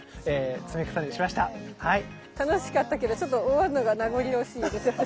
楽しかったけどちょっと終わるのが名残惜しいです私。